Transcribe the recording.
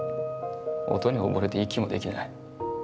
音に溺れて息もできない。